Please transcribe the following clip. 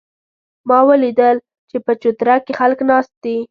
ما ولیدل چې په چوتره کې خلک ناست دي